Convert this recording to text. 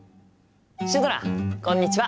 シュドラこんにちは！